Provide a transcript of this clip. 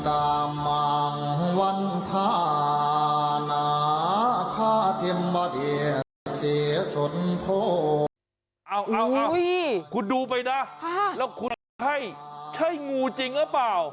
เอาคุณดูไปนะแล้วคุณเอาใช่ใช่งูจริงหรือเปล่า